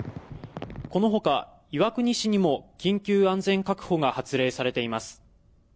このほか岩国市にも緊急安全確保が発令されています